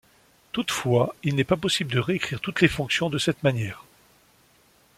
Toutefois il n'est pas possible de réécrire toutes les fonctions de cette manière.